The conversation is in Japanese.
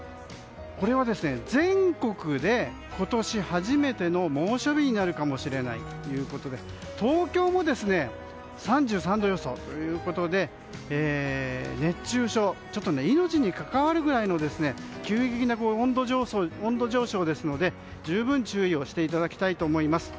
これは全国で今年初めての猛暑日になるかもしれないということで東京も３３度予想ということで熱中症、命に関わるぐらいの急激な温度上昇ですので十分注意していただきたいと思います。